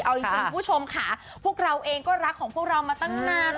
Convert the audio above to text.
เอาจริงคุณผู้ชมค่ะพวกเราเองก็รักของพวกเรามาตั้งนาน